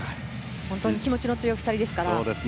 本当に気持ちの強い２人ですから。